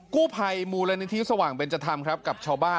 กู้ภัยมูลนิธิสว่างเบนจธรรมครับกับชาวบ้าน